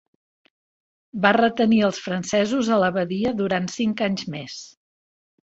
Va retenir als francesos a la badia durant cinc anys més.